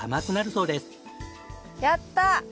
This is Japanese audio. やった！